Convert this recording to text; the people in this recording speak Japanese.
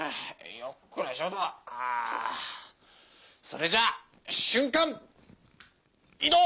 それじゃあ瞬間移動！